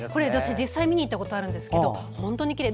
実際に見に行ったことがありますが本当にきれい！